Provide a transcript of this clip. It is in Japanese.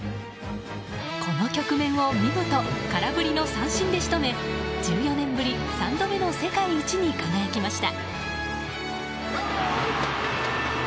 この局面を見事空振りの三振で仕留め１４年ぶり３度目の世界一に輝きました。